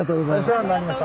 お世話になりました。